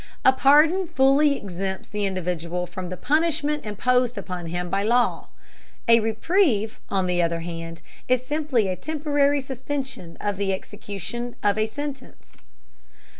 A pardon fully exempts the individual from the punishment imposed upon him by law; a reprieve, on the other hand, is simply a temporary suspension of the execution of a sentence.